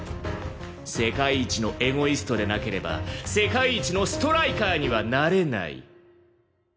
世界一のエゴイストでなければ世界一のストライカーにはなれない。